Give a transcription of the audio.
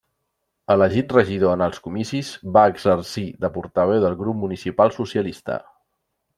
Elegit regidor en els comicis, va exercir de portaveu del Grup Municipal Socialista.